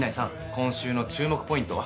今週の注目ポイントは？